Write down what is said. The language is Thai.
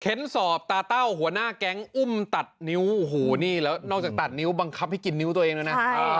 สอบตาเต้าหัวหน้าแก๊งอุ้มตัดนิ้วโอ้โหนี่แล้วนอกจากตัดนิ้วบังคับให้กินนิ้วตัวเองแล้วนะ